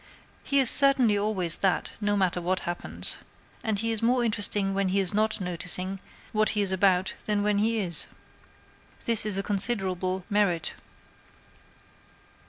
He is certainly always that, no matter what happens. And he is more interesting when he is not noticing what he is about than when he is. This is a considerable merit.